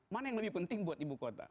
mana yang lebih penting buat ibu kota